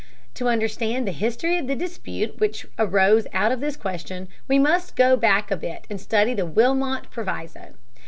To understand the history of the dispute which arose out of this question we must go back a bit and study the Wilmot Proviso.